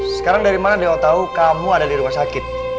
sekarang dari mana deo tahu kamu ada di rumah sakit